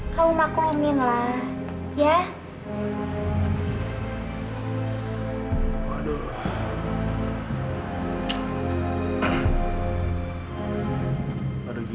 kutuh kalau kamu lanjut sama raka